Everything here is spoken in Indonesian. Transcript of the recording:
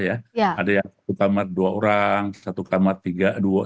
jadi bagaimana kita bisa membuatnya lebih baik